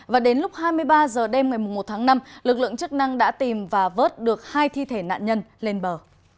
và đến lúc hai mươi ba h đêm ngày một tháng năm lực lượng chức năng đã tìm và vớt được hai thi thể nạn nhân lên bờ